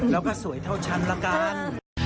อย่าตายก่อนละกัน